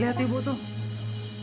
lihat tuh ibu tuh